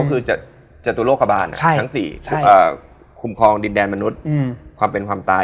เราต้องนั่งเรือข้ามไป